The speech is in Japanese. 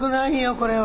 これは。